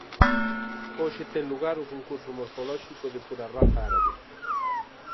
Hoxe ten lugar o concurso morfolóxico de pura raza árabe.